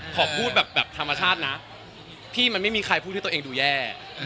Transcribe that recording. ขอพูดแบบธรรมชาตินะพี่มันไม่มีใครพูดที่ตัวเองดูแย่